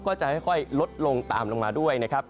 ก็จะค่อยลดลงตามลงมาด้วยนะครับ